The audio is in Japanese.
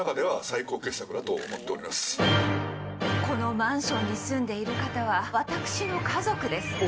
このマンションに住んでいる方は私の家族です。